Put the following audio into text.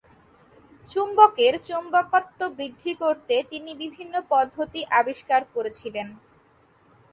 চুম্বকের চুম্বকত্ব বৃদ্ধি করতে তিনি বিভিন্ন পদ্ধতি আবিষ্কার করেছিলেন।